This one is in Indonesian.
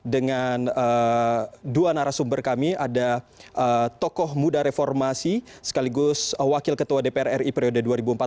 dengan dua narasumber kami ada tokoh muda reformasi sekaligus wakil ketua dpr ri periode dua ribu empat belas dua ribu dua puluh